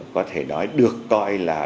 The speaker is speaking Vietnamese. có thể nói được coi là